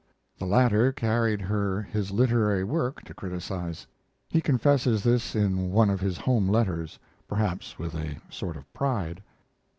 The latter carried her his literary work to criticize. He confesses this in one of his home letters, perhaps with a sort of pride.